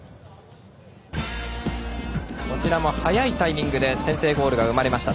こちらも早いタイミングで先制ゴールが生まれました。